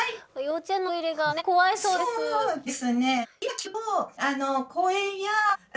幼稚園のトイレが怖いそうです。